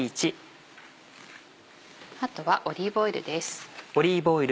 あとはオリーブオイルです。